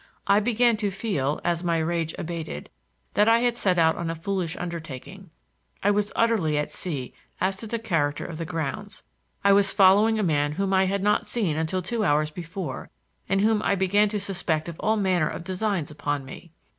I began to feel, as my rage abated, that I had set out on a foolish undertaking. I was utterly at sea as to the character of the grounds; I was following a man whom I had not seen until two hours before, and whom I began to suspect of all manner of designs upon me.